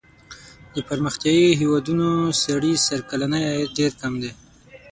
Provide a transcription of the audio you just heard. د پرمختیايي هېوادونو سړي سر کلنی عاید ډېر کم دی.